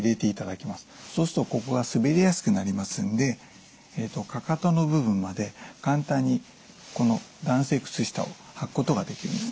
そうするとここが滑りやすくなりますんでかかとの部分まで簡単にこの弾性靴下を履くことができるんですね。